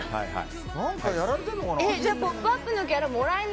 何かやられてるのかな？